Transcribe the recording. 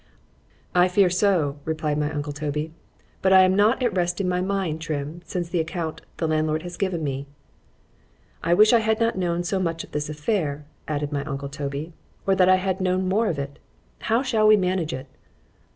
I fear so, replied my uncle Toby; but I am not at rest in my mind, Trim, since the account the landlord has given me.——I wish I had not known so much of this affair,—added my uncle Toby,—or that I had known more of it:——How shall we manage it?